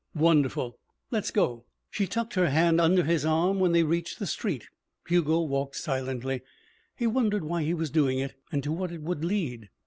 "Wonderful." "Let's go!" She tucked her hand under his arm when they reached the street. Hugo walked silently. He wondered why he was doing it and to what it would lead.